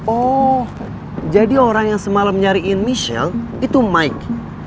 oh jadi orang yang semalam nyariin michelle itu mike